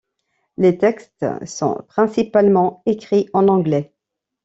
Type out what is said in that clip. Les textes sont principalement écrits en anglais.